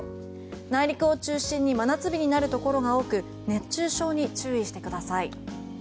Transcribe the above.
内陸を中心に真夏日になるところが多く熱中症に注意してください。